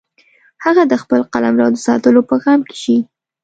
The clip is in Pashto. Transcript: هغه د خپل قلمرو د ساتلو په غم کې شي.